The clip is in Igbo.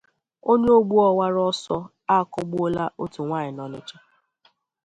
Onye Ogbuo Ọwara Ọsọ Akụgbuola Otu Nwaanyị n'Ọnịtsha